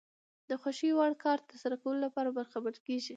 د خوښې وړ کار ترسره کولو لپاره برخمن کېږي.